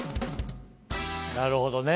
なるほどね。